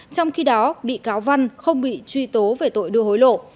trong khi đó bị cáo văn không bị truy tố về tội đưa hối lộ